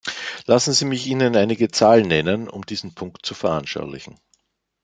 Lassen Sie mich Ihnen einige Zahlen nennen, um diesen Punkt zu veranschaulichen.